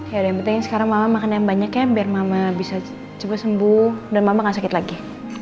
ya udah yang penting sekarang mama makan yang banyaknya biar mama bisa sembuh dan mama gak sakit lagi